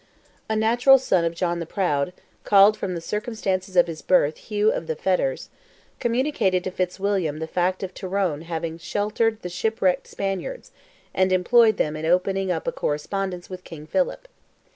A natural son of John the Proud, called from the circumstances of his birth "Hugh of the fetters," communicated to Fitzwilliam the fact of Tyrone having sheltered the shipwrecked Spaniards, and employed them in opening up a correspondence with King Philip.